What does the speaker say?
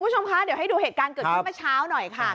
คุณผู้ชมคะเดี๋ยวให้ดูเหตุการณ์เกิดขึ้นเมื่อเช้าหน่อยค่ะ